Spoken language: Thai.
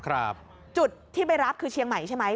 จุดที่ไปรับคือเชียงใหม่ใช่ไหม